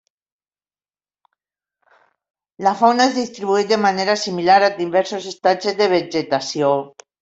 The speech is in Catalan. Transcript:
La fauna es distribueix de manera similar, amb diversos estatges de vegetació.